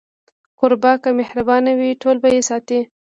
کوربه که مهربانه وي، ټول به يې ستایي.